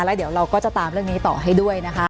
แล้วเดี๋ยวเราก็จะตามเรื่องนี้ต่อให้ด้วยนะคะ